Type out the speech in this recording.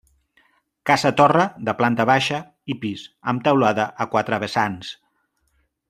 Casa-torre de planta baixa i pis, amb teulada a quatre vessants.